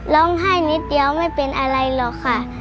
นิดเดียวไม่เป็นอะไรหรอกค่ะ